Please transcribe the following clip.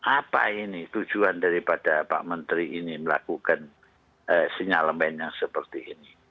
apa ini tujuan daripada pak menteri ini melakukan sinyalemen yang seperti ini